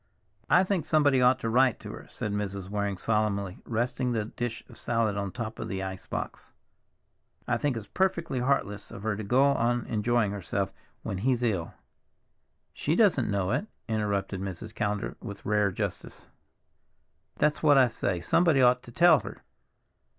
"I think somebody ought to write to her," said Mrs. Waring solemnly, resting the dish of salad on the top of the ice box. "I think it's perfectly heartless of her to go on enjoying herself when he's ill." "She doesn't know it," interrupted Mrs. Callender with rare justice. "That's what I say, somebody ought to tell her.